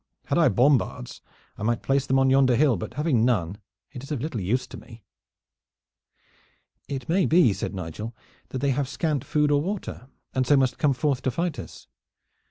Had I bombards, I might place them on yonder hill, but having none it is of little use to me." "It may be," said Nigel, "that they have scant food or water, and so must come forth to fight us."